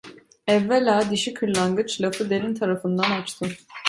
Evvela dişi kırlangıç lafı derin tarafından açtı: